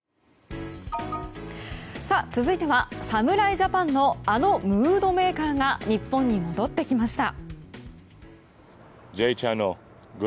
続いては侍ジャパンのあのムードメーカーが日本に戻ってきました。